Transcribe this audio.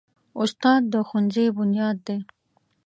استاد د ښوونځي بنیاد دی.